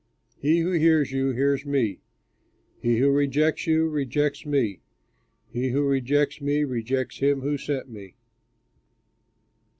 He who hears you, hears me; he who rejects you, rejects me; he who rejects me, rejects him who sent me."